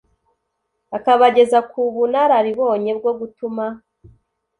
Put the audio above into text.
akabageza ku bunararibonye bwo gutuma